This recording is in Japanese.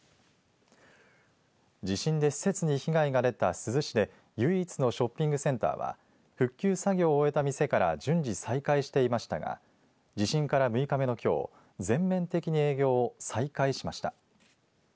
地震で施設に被害が出た珠洲市で唯一のショッピングセンターは復旧作業を終えた店から順次再開していましたが地震から６日目のきょう全面的に営業を再開しました。